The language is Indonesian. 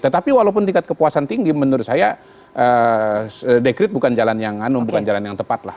tetapi walaupun tingkat kepuasan tinggi menurut saya dekret bukan jalan yang anu bukan jalan yang tepat lah